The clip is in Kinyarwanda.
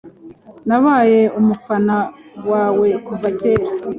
Nabaye umufana wawe kuva kera.